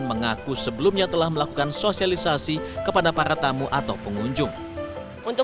mengaku sebelumnya telah melakukan sosialisasi kepada para tamu atau pengunjung untuk